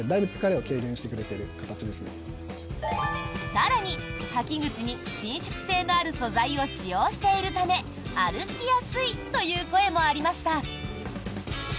更に、履き口に伸縮性のある素材を使用しているため歩きやすいという声もありました。